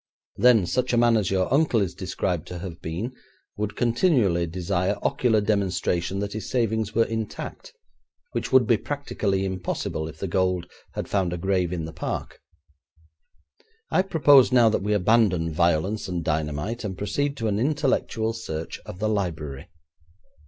Then such a man as your uncle is described to have been would continually desire ocular demonstration that his savings were intact, which would be practically impossible if the gold had found a grave in the park. I propose now that we abandon violence and dynamite, and proceed to an intellectual search of the library.'